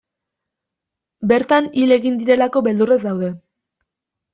Bertan hil egin direlako beldurrez daude.